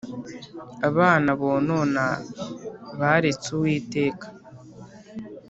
, abana bonona baretse Uwiteka,